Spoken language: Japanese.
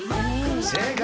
正解。